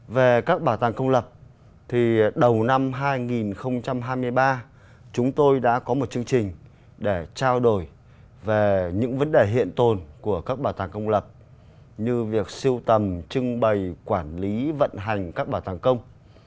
về các bảo tàng công lập thì đầu năm hai nghìn hai mươi ba chúng tôi đã có một chương trình để trao đổi về những vấn đề hiện tồn của các bảo tàng công lập như việc siêu tầm trưng bày quản lý vận hành các bảo tàng công